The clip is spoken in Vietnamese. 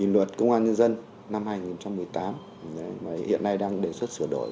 luật công an nhân dân năm hai nghìn một mươi tám hiện nay đang đề xuất sửa đổi